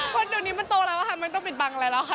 คนเดี๋ยวนี้มันโตแล้วค่ะไม่ต้องปิดบังอะไรแล้วค่ะ